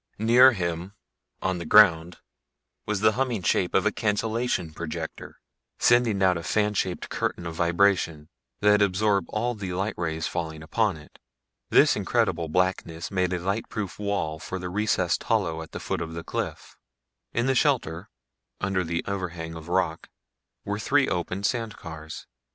Near him, on the ground, was the humming shape of a cancellation projector, sending out a fan shaped curtain of vibration that absorbed all the light rays falling upon it. This incredible blackness made a lightproof wall for the recessed hollow at the foot of the cliff. In this shelter, under the overhang of rock, were three open sand cars.